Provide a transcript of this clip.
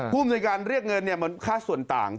ภูมิในการเรียกเงินมันค่าส่วนต่าง